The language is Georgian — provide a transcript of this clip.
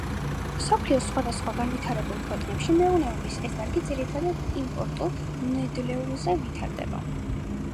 მსოფლიოს სხვადასხვა განვითარებულ ქვეყნებში მეურნეობის ეს დარგი ძირითადად იმპორტულ ნედლეულზე ვითარდება.